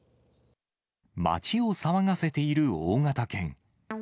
町を騒がせている大型犬。